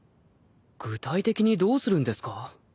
具体的にどうするんですか？